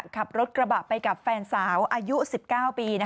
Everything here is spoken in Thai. ขับรถกระบะไปกับแฟนสาวอายุ๑๙ปี